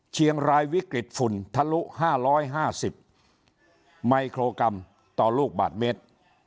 เชียงรายวิกฤตฝุ่นทะลุ๕๕๐มิโครกรัมต่อลูกบาทเมตร